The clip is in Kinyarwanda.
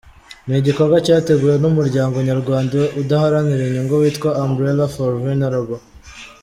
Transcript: Ni igikorwa cyateguwe n’Umuryango Nyarwanda udaharanira inyungu witwa Umbrella for Vulnerable.